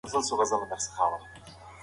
هر انسان د درناوي وړ دی.